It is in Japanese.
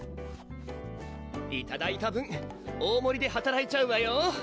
いただいた分大盛りではたらいちゃうわよ